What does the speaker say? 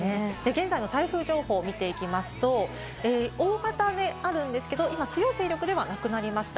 現在の台風情報を見てみますと大型ではあるんですけど今、強い勢力ではなくなりました。